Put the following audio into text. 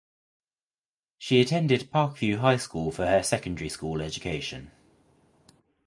She attended Parkview High School for her secondary school education.